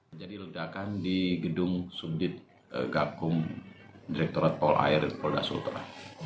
menjadi ledakan di gedung subjit gakum direkturat pulairut polda sultra